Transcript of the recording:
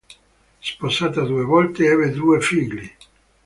Sposata due volte, ebbe due figli.